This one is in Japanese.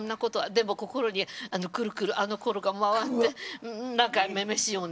でも心にくるくるあのころが回ってうんなんか女々しい女を。